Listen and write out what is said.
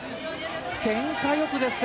けんか四つですか。